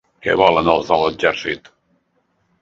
Què volen els de l'exèrcit?